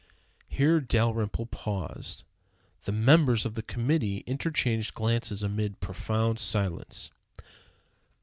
Here Dalrymple paused. The members of the committee interchanged glances amid profound silence.